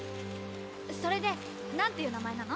それで何ていう名前なの？